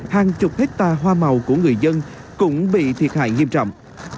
hàng chục hectare hoa màu của người dân cũng bị thiệt hại nghiêm trọng